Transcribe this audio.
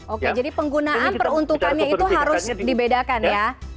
oke jadi penggunaan peruntukannya itu harus dibedakan ya